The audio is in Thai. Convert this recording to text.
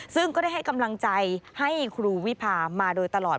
ซึ่งก็ได้ให้กำลังใจให้ครูวิพามาโดยตลอด